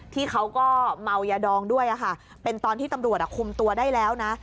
ที่เขาก็เมายาดองด้วยค่ะเป็นตอนที่ตำรวจคุมตัวได้แล้วนะ